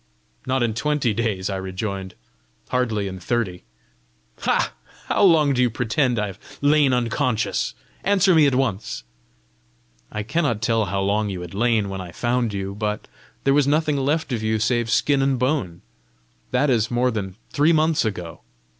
"Not in twenty days," I rejoined, "hardly in thirty!" "Ha! How long do you pretend I have lain unconscious? Answer me at once." "I cannot tell how long you had lain when I found you, but there was nothing left of you save skin and bone: that is more than three months ago.